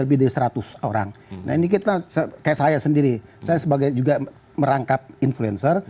lebih dari seratus orang nah ini kita kayak saya sendiri saya sebagai juga merangkap influencer